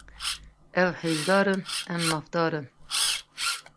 Ew hêzdar in, em mafdar in.